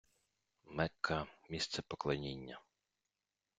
Мекка - місце поклоніння